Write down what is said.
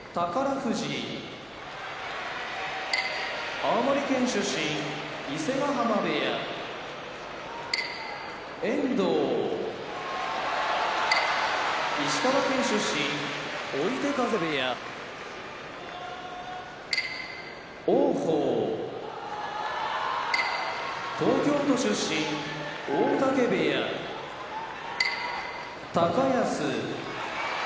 富士青森県出身伊勢ヶ濱部屋遠藤石川県出身追手風部屋王鵬東京都出身大嶽部屋高安